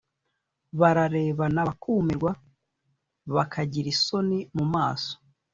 Bararebana bakumirwa, bakagira isoni mu maso.